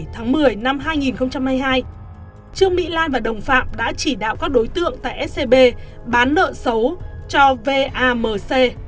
trương mỹ lan và đồng phạm đã chỉ đạo các đối tượng tại scb bán nợ xấu cho vamc